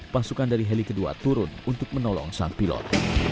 pasukan dari heli kedua turun untuk menolong sang pilot